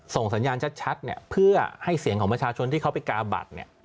สัญญาณชัดเนี่ยเพื่อให้เสียงของประชาชนที่เขาไปกาบัตรเนี่ย